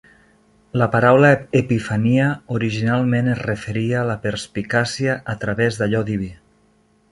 La paraula epifania originalment es referia a la perspicàcia a travès d'allò diví.